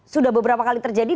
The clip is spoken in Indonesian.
sudah beberapa kali terjadi